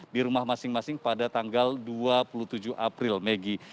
di rumah masing masing pada tanggal dua puluh tujuh april maggie